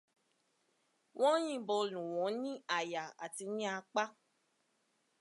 Wọ́n yìnbọn lú wọ́n ní àyà àti ní apá.